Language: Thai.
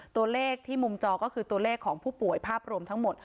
ตัวเลขที่มุมจอก็คือตัวเลขของผู้ป่วยภาพรวมทั้งหมด